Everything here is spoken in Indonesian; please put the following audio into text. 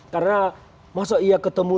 karena maksudnya ketemu